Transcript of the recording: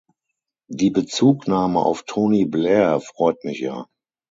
Die Bezugnahme auf Tony Blair freut mich ja.